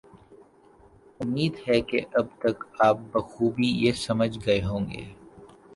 امید ہے کہ اب تک آپ بخوبی یہ سمجھ گئے ہوں گے